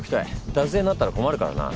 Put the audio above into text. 脱税になったら困るからな。